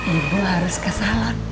ibu harus ke salon